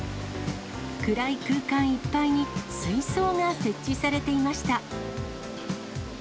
暗い空間いっぱいに水槽が設置されていました。